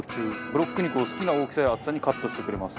ブロック肉を好きな大きさや厚さにカットしてくれます。